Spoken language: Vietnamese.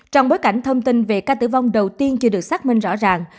trong bối cảnh thông tin về ca tử vong đầu tiên chưa được xác minh rõ ràng